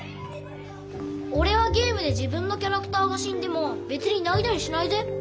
おれはゲームで自分のキャラクターがしんでもべつにないたりしないぜ。なあ？